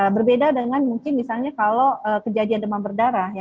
berbeda dengan mungkin misalnya kalau kejadian demam berdarah ya